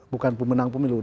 bukan pemenang pemilu